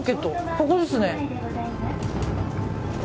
ここですね。